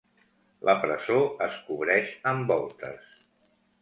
La presó es cobreix amb voltes.